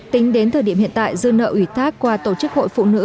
tính đến thời điểm hiện tại dư nợ ủy thác qua tổ chức hội phụ nữ